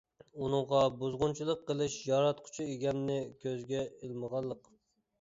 ئۇنىڭغا بۇزغۇنچىلىق قىلىش ياراتقۇچى ئىگەمنى كۆزگە ئىلمىغانلىق.